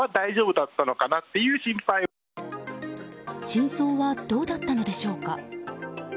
真相はどうだったのでしょうか。